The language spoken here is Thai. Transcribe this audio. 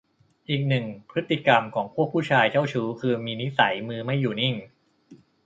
อีกหนึ่งพฤติกรรมของพวกผู้ชายเจ้าชู้คือ นิสัยมือไม่อยู่นิ่ง